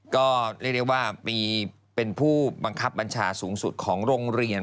ก็เรียกได้ว่ามีเป็นผู้บังคับบัญชาสูงสุดของโรงเรียน